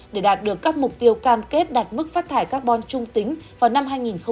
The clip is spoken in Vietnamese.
để đạt được các mục tiêu cam kết đạt mức phát thải carbon trung tính vào năm hai nghìn ba mươi